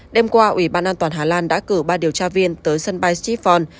đêm qua ủy ban an toàn hà lan đã cử ba điều tra viên tới sân bay siphon